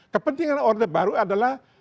kepentingan orde baru adalah